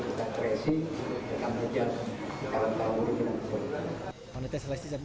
kata kata yang berkata kresi kita bekerja di dalam tahun dua ribu sembilan belas